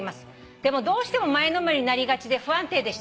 「でもどうしても前のめりになりがちで不安定でした」